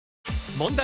問題。